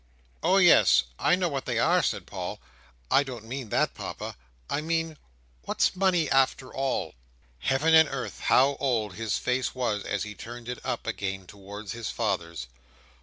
"Oh yes, I know what they are," said Paul. "I don't mean that, Papa. I mean what's money after all?" Heaven and Earth, how old his face was as he turned it up again towards his father's!